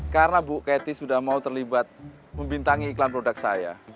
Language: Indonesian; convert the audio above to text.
karena bu kety sudah mau terlibat membintangi iklan produk saya